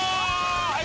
はい。